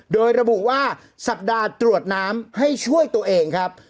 โดยระบุว่าสัปดาห์ตรวจน้ำให้ช่วยตัวเองครับ